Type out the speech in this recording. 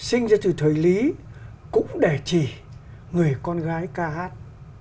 câu chuyện về tên ả đào sinh ra từ thời lý cũng để chỉ người con gái ca hát